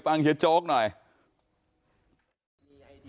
ไม่มีรอยไฟไหม้